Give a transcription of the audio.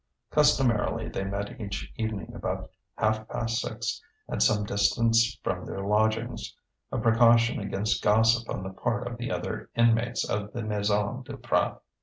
Customarily they met each evening about half past six at some distance from their lodgings: a precaution against gossip on the part of the other inmates of the Maison Duprat.